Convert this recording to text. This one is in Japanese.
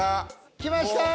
きました。